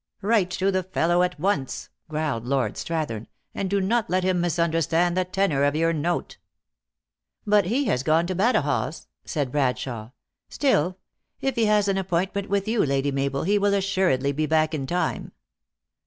" Write to the fellow at once," growled Lord Strath ern, " and do not let him misunderstand the tenor of your note." " But he has gone to Badajoz," said Bradshawe. " Still, if he has an appointment with you, Lady Ma bel, he will assuredly be back in time."